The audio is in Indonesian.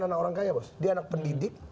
anak orang kaya bos dia anak pendidik